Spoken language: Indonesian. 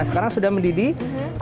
nah sekarang sudah mendidih